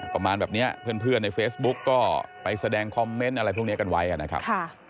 ประมาณแบบนี้เพื่อนในเฟซบุ๊กก็ไปแสดงคอมเมนต์อะไรพวกนี้กันไว้นะครับ